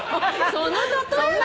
その例えは。